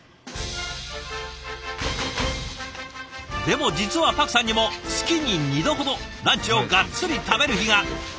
でも実はパクさんにも月に２度ほどランチをガッツリ食べる日が！